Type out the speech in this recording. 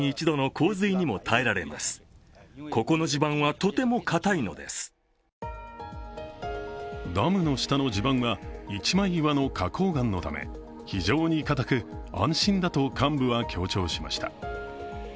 担当者に聞いてみるとダムの下の地盤は、一枚岩の花こう岩のため非常に固く、安心だと幹部は強調しました。